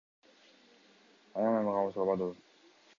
Анан аны камап салбадыбы.